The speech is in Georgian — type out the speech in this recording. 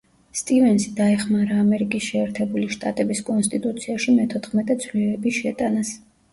სტივენსი დაეხმარა ამერიკის შეერთებული შტატების კონსტიტუციაში მეთოთხმეტე ცვლილების შეტანას.